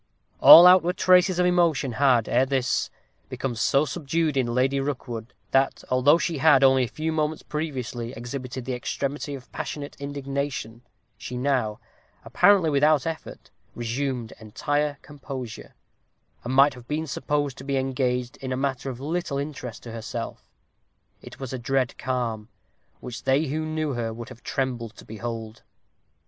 All outward traces of emotion had, ere this, become so subdued in Lady Rookwood, that although she had, only a few moments previously, exhibited the extremity of passionate indignation, she now, apparently without effort, resumed entire composure, and might have been supposed to be engaged in a matter of little interest to herself. It was a dread calm, which they who knew her would have trembled to behold.